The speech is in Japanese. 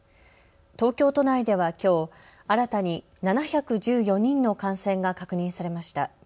東京都内ではきょう、新たに７１４人の感染が確認されました。